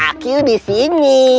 akyu di sini